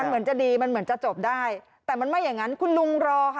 เหมือนจะดีมันเหมือนจะจบได้แต่มันไม่อย่างนั้นคุณลุงรอค่ะ